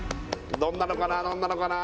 どんなのかなどんなのかな